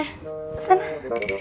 eh ini kurang nutuh